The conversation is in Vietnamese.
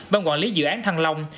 bang quản lý dự án thăng long